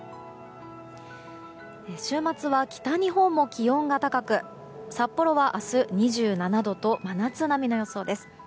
週末は北日本も気温が高く札幌は明日、２７度と真夏並みの予想です。